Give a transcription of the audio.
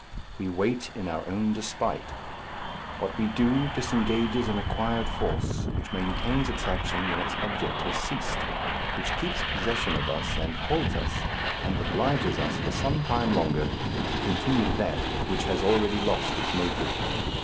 We wait in our own despite. What we do disengages an acquired force, which maintains its action when its object has ceased, which keeps possession of us and holds us, and obliges us for some time longer to continue that which has already lost its motive.